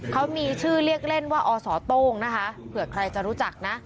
เขามีชื่อเรียกเล่นว่าอสโต้งนะคะเผื่อใครจะรู้จักนะ